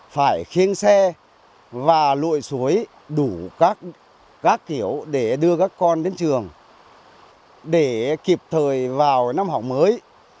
phải khiêng xe và lội suối đủ các gác kiểu để đưa các con đến trường để kịp thời vào năm học mới